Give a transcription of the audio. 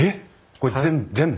これぜ全部？